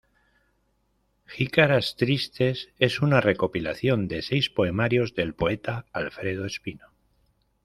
Jícaras Tristes es una recopilación de seis poemarios del poeta Alfredo Espino.